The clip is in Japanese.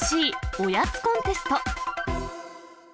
おやつコンテスト。